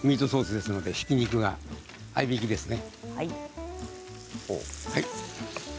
ミートソースですのでひき肉、合いびきですね。